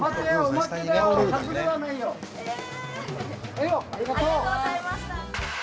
はいよ、ありがとう。